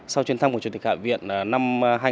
sau chuyến thăm của chủ tịch hạ viện năm hai nghìn hai mươi